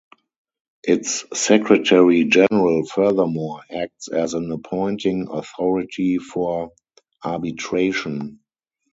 Its Secretary General furthermore acts as an appointing authority for arbitration.